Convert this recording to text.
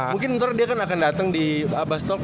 mungkin ntar dia akan dateng di abastok